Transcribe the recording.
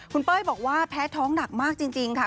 คุณเป้ยบอกว่าแพ้ท้องหนักมากจริงค่ะ